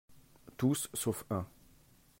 Tous, sauf un